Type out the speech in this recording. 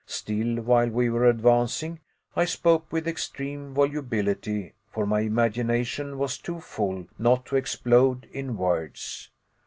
Still, while we were advancing, I spoke with extreme volubility, for my imagination was too full not to explode in words.